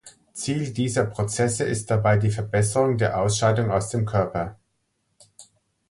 Ziel dieser Prozesse ist dabei die Verbesserung der Ausscheidung aus dem Körper.